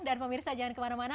dan pemirsa jangan kemana mana